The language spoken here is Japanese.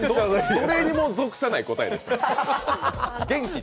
どれにも属さない答えでしたね。